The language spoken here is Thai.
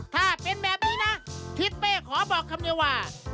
ถ้าเป็นแบบนี้นะทิศเป้ขอบอกคำเดียวว่า